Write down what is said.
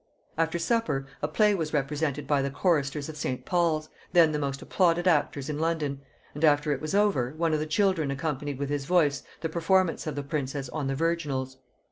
After supper a play was represented by the choristers of St. Paul's, then the most applauded actors in London; and after it was over, one of the children accompanied with his voice the performance of the princess on the virginals.